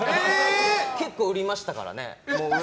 結構、売りましたからね。